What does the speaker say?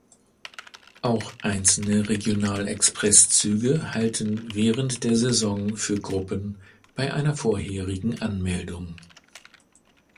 Auch einzelne Regional-Express-Züge halten während der Saison für Gruppen bei einer vorherigen Anmeldung.